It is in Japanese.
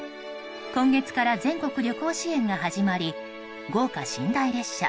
今月から全国旅行支援が始まり豪華寝台列車